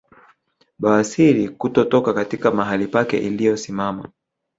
Bawasiri kutotoka katika mahali pake iliyosimama